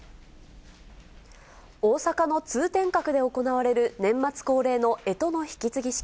大阪の通天閣で行われる年末恒例のえとの引き継ぎ式。